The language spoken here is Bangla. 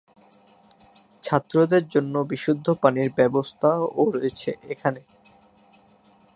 ছাত্রদের জন্য বিশুদ্ধ পানির ব্যবস্থা ও রয়েছে এখানে।